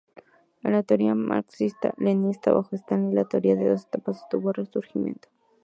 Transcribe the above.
En la teoría marxista-leninsta bajo Stalin la teoría de dos etapas obtuvo un resurgimiento.